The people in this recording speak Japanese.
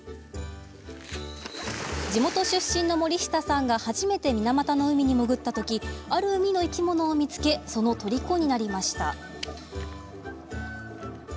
地元出身の森下さんが初めて水俣の海に潜ったときある海の生き物を見つけそのとりこになりました。